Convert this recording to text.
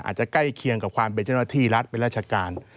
อาจจะใกล้เคียงกับความเป็นเจ้นตรวจภีรรรดิเป็นราชกาล